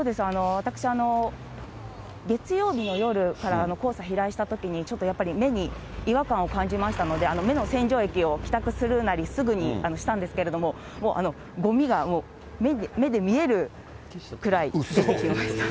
私、月曜日の夜から黄砂飛来したときに、ちょっとやっぱり目に違和感を感じましたので、目の洗浄液を帰宅するなりすぐにしたんですけども、ごみが目で見えるくらい浮いてました。